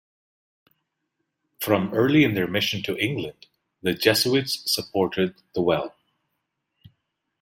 From early in their mission to England, the Jesuits supported the well.